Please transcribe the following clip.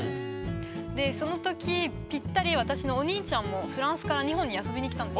でその時ぴったり私のお兄ちゃんもフランスから日本に遊びに来たんですよ。